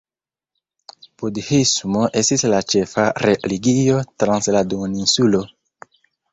Budhismo estis la ĉefa religio trans la duoninsulo.